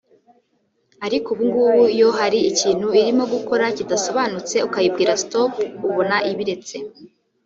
Ariko ubungubu iyo hari ikintu irimo gukora kidasobanutse ukayibwira stop ubona ibiretse